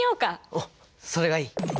うんそれがいい！